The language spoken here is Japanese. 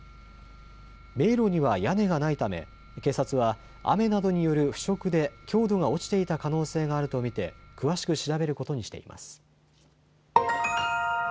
迷路には屋根がないため警察は雨などによる腐食で強度が落ちていた可能性があると見て詳しく調べることにしています。